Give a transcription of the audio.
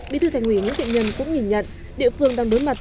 bí thư thành ủy nguyễn thiện nhân cũng nhìn nhận địa phương đang đối mặt